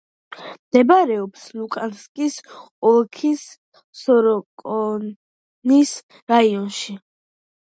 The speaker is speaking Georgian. მდებარეობს ლუგანსკის ოლქის სოროკინის რაიონში.